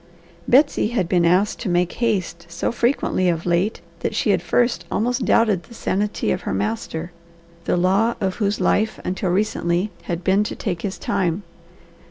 Betsy had been asked to make haste so frequently of late that she at first almost doubted the sanity of her master, the law of whose life, until recently, had been to take his time.